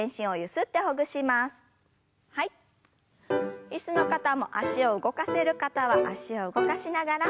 椅子の方も脚を動かせる方は脚を動かしながら。